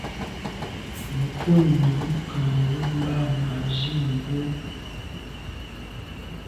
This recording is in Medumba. Mə̀ krú nǔm Cameroun mbá mə̀ ɑ̀' zí mə̀ bwɔ́.